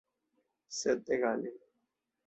Sed egale.